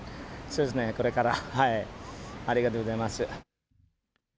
そうですね、これから、ありがとうございます。